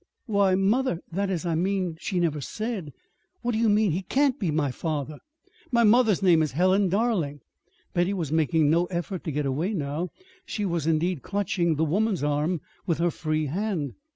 "Why, mother that is I mean she never said What do you mean? He can't be my father. My mother's name is Helen Darling!" Betty was making no effort to get away now. She was, indeed, clutching the woman's arm with her free hand.